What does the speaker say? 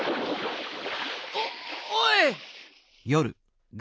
おおい！